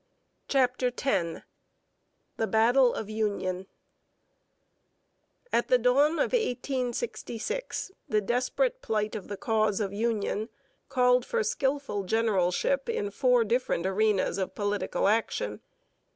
CHAPTER X 'THE BATTLE OF UNION' At the dawn of 1866 the desperate plight of the cause of union called for skilful generalship in four different arenas of political action.